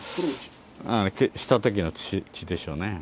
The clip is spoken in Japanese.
したときの血でしょうね。